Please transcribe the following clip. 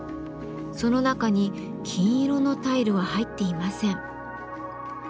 その中に金色のタイルは入っていません。